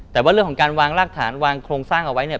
แต่ว่าเรื่องของการวางรากฐานวางโครงสร้างเอาไว้เนี่ย